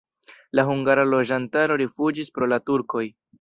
La hungara loĝantaro rifuĝis pro la turkoj.